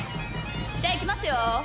じゃいきますよ！